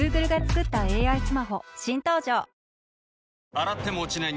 洗っても落ちない